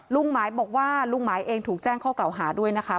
ลุงใหม่บอกว่าลุงใหม่เองถูกแจ้งเข้าเก่าหาด้วยนะคะ